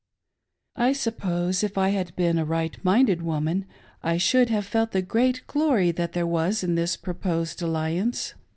I suppose, if I had been a right minded woman, I shoujd have felt the great glory that there was in this proposed alliance.